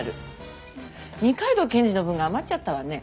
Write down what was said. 二階堂検事の分が余っちゃったわね。